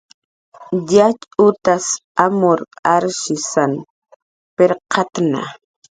Yatx utas amur arshisn pirqatna